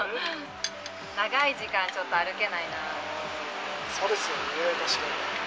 長い時間、ちょっと歩けないそうですよね、確かに。